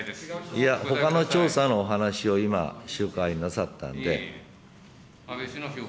いや、ほかの調査のお話を今、塩川議員、なさったんで。